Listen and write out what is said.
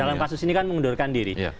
dalam kasus ini kan mengundurkan diri